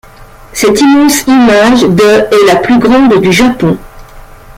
Cette immense image de est la plus grande du Japon.